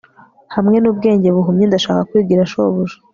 Hamwe nubwenge buhumyi ndashaka kwigira shobuja